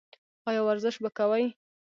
ایا ورزش به کوئ؟